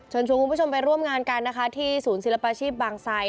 ชวนคุณผู้ชมไปร่วมงานกันนะคะที่ศูนย์ศิลปาชีพบางไซ